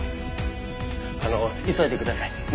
あの急いでください。